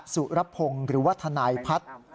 สุรพงศ์หรือว่าทนายพัฒน์